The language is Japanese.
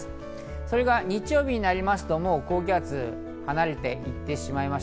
それが日曜日になりますと、もう高気圧、離れていってしまいます。